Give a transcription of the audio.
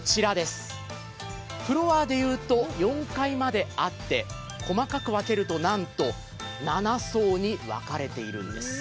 フロアでいうと４階まであって細かく分けると、なんと７層に分かれているんです。